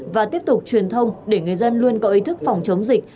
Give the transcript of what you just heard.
và tiếp tục truyền thông để người dân luôn có ý thức phòng chống dịch